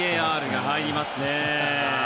ＶＡＲが入りますね。